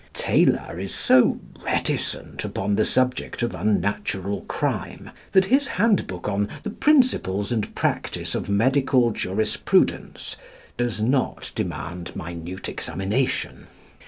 Taylor is so reticent upon the subject of unnatural crime that his handbook on "The Principles and Practice of Medical Jurisprudence" does not demand minute examination.